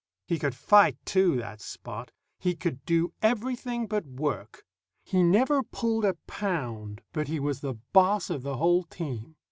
He could fight, too, that Spot. He could do everything but work. He never pulled a pound, but he was the boss of the whole team.